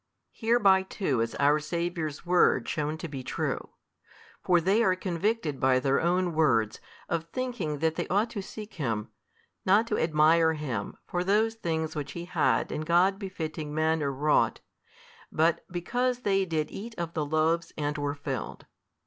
Hereby too is our Saviour's word shewn to be true: for they are convicted by their own words of thinking that they ought to seek Him, not to admire Him for those things which He had in God befitting manner wrought, but because they did eat of the loaves and were filled.